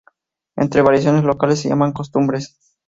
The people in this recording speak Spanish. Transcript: Estas variaciones locales se llaman costumbres...